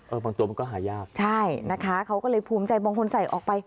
บางตัวมันก็หายากใช่นะคะเขาก็เลยภูมิใจบางคนใส่ออกไป